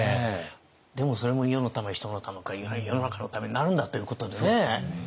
でもそれも世のため人のため世の中のためになるんだということでね。